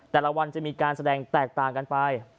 แต่ละวันจะมีการแสดงแตกต่างกันไป